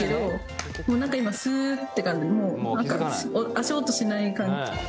足音しない感じ。